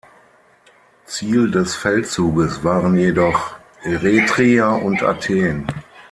Ziel des Feldzuges waren jedoch Eretria und Athen.